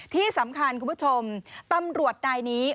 ที่สำคัญคุณผู้ชมตำรวจนายนี้